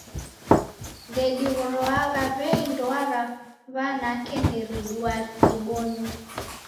Ndedighroaa w'ei ndoa ra w'anake nderiduaa rikibonywa.